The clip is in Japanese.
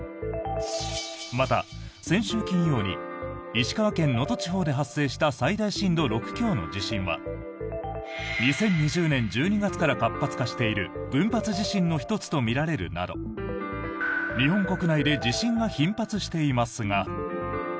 また、先週金曜に石川県能登地方で発生した最大震度６強の地震は２０２０年１２月から活発化している群発地震の１つとみられるなど日本国内で地震が頻発していますが。